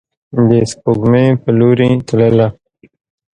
د سپوږمۍ په لوري تلله